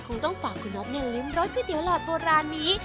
คงต้องฝากคุณน๊อบเนี่ยลืมรสก๋วยเตี๋ยวหลอดบนร้านนี้